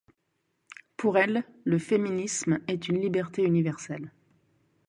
Pour elle, le féminisme est une liberté universelle.